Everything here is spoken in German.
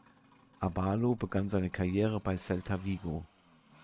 Abalo begann seine Karriere bei Celta Vigo.